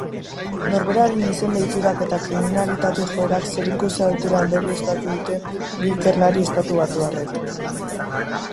Norberaren izen deiturak eta kriminalitate joerak zerikusia dutela ondorioztatu dute bi ikerlari estatubatuarrek.